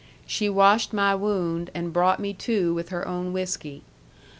She washed my wound and brought me to with her own whiskey.